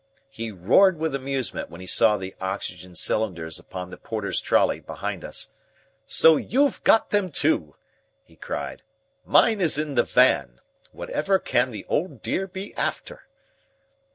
He roared with amusement when he saw the oxygen cylinders upon the porter's trolly behind us. "So you've got them too!" he cried. "Mine is in the van. Whatever can the old dear be after?"